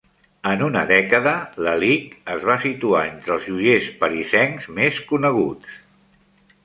En una dècada, Lalique es va situar entre els joiers parisencs més coneguts.